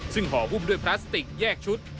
ซึ่งห่อหุ้มด้วยพลาสติกแยกชุด